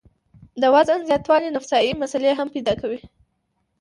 د وزن زياتوالے نفسياتي مسئلې هم پېدا کوي